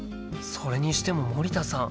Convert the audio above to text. それにしても森田さん